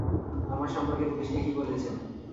আমার সম্পর্কে পুলিশকে কি বলেছেন?